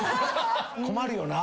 困るよな。